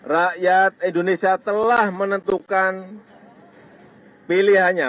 rakyat indonesia telah menentukan pilihannya